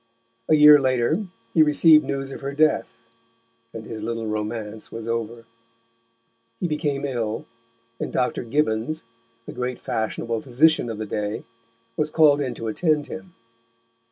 A year later he received news of her death, and his little romance was over. He became ill, and Dr. Gibbons, the great fashionable physician of the day, was called in to attend him.